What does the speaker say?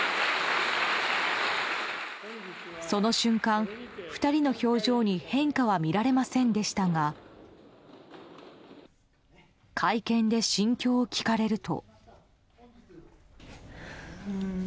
その瞬間、２人の表情に変化は見られませんでしたが会見で心境を聞かれると。